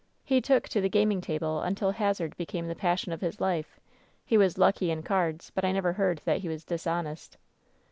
He took to the gaming table imtil hazard became the passion of his life. He was lucky in cards, but I never heard that he was dishonest.